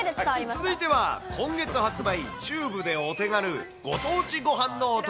続いて今月発売、チューブでお手軽、ご当地ごはんのお供。